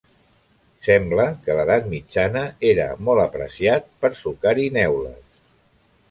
Sembla que a l'edat mitjana era molt apreciat per a sucar-hi neules.